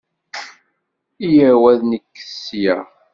Yya-w ad nekket ssya.